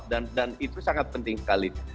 dan itu sangat penting sekali